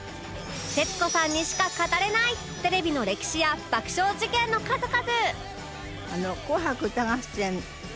徹子さんにしか語れないテレビの歴史や爆笑事件の数々